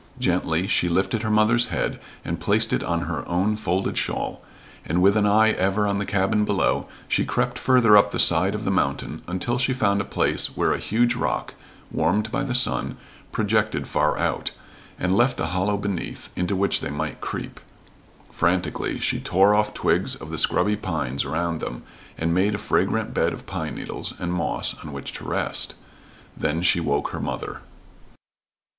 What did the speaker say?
Gently she lifted her mother's head and placed it on her own folded shawl, and, with an eye ever on the cabin below, she crept further up the side of the mountain until she found a place where a huge rock, warmed by the sun, projected far out, and left a hollow beneath, into which they might creep. Frantically she tore off twigs of the scrubby pines around them, and made a fragrant bed of pine needles and moss on which to rest. Then she woke her mother.